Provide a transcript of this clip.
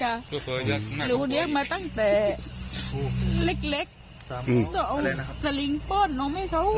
หรือเลี้ยงมาตั้งแต่เล็กเล็กสลิงป้อนนมให้เขา